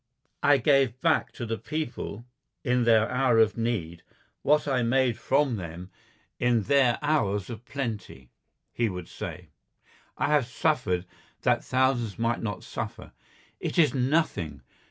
"I gave back to the people in their hour of need what I made from them in their hours of plenty," he would say. "I have suffered that thousands might not suffer. It is nothing.